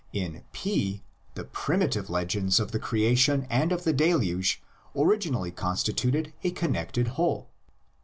In P the primitive legends of the creation and of the deluge originally consti tuted a connected whole.